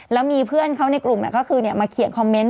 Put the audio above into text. แล้วมีเพื่อนเขาในกลุ่มก็คือมาเขียนคอมเมนต์